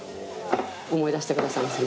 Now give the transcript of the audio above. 思い出してくださいませね